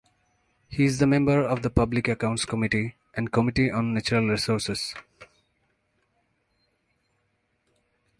He is the member of the Public Accounts Committee and Committee on Natural Resources.